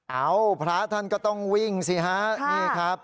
เอ้าพระท่านก็ต้องวิ่งสิฮะ